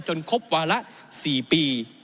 จนครบว่าละ๔ปี